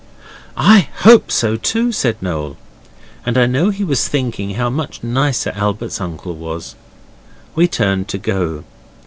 'I HOPE so too,' said Noel, and I know he was thinking how much nicer Albert's uncle was. We turned to go.